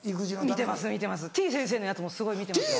見てますてぃ先生のやつもすごい見てます。